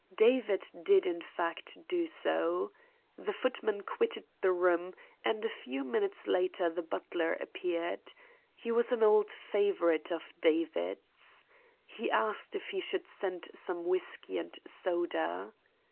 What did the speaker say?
David did, in fact, do so. The footman quitted the room, and a few minutes later the butler appeared. He was an old favourite of David's. He asked if he should send some whisky and soda.